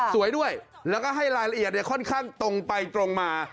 สวยด้วยแล้วก็ให้รายละเอียดค่อนข้างตรงไปตรงมา